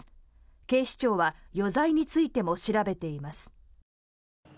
警視庁は、余罪についても調べています。